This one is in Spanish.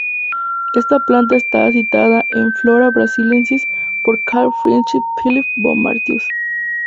Esta planta está citada en Flora Brasiliensis por Carl Friedrich Philipp von Martius.